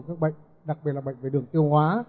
các bệnh đặc biệt là bệnh về đường tiêu hóa